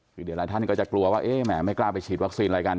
คือเดี๋ยวหลายท่านก็จะกลัวว่าเอ๊ะแหมไม่กล้าไปฉีดวัคซีนอะไรกัน